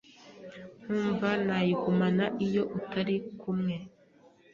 nkumva nayigumana Iyo utari kumwe